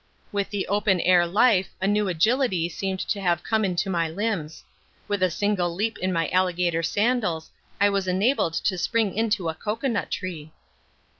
With the open air life a new agility seemed to have come into my limbs. With a single leap in my alligator sandals I was enabled to spring into a coco nut tree.